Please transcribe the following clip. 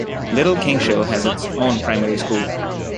Little Kingshill has its own primary school.